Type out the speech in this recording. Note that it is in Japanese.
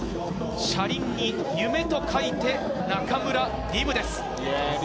車輪に夢と書いて中村輪夢です。